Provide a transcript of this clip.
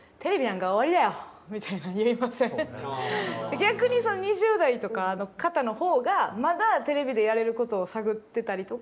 逆に２０代とかの方のほうがまだテレビでやれることを探ってたりとか。